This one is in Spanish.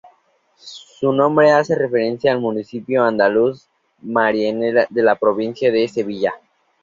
Su nombre hace referencia al municipio andaluz de Mairena, en la provincia de Sevilla.